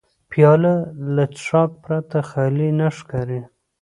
پیاله له څښاک پرته خالي نه ښکاري.